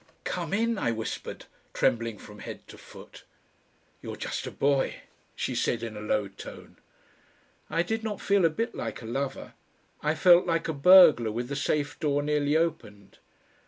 "COME IN!" I whispered, trembling from head to foot. "You're just a boy," she said in a low tone. I did not feel a bit like a lover, I felt like a burglar with the safe door nearly opened.